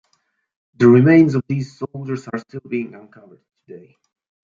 The remains of these soldiers are still being uncovered today.